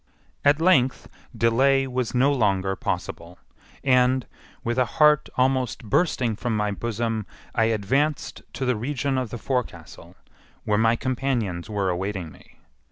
At length delay was no longer possible, and, with a heart almost bursting from my bosom, I advanced to the region of the forecastle, where my companions were awaiting me.